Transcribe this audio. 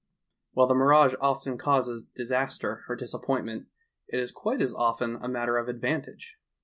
While the mirage often causes disaster or disap pointment, it is quite as often a matter of advan tage.